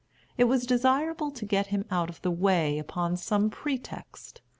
It was desirable to get him out of the way upon some pretext.